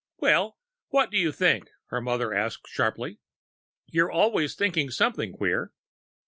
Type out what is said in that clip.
"Well, what do you think?" her mother asked sharply. "You're always thinking something queer."